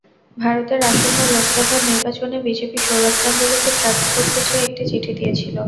ভারতের আসন্ন লোকসভা নির্বাচনে বিজেপি সৌরভ গাঙ্গুলীকে প্রার্থী করতে চেয়ে একটি চিঠি দিয়েছিল।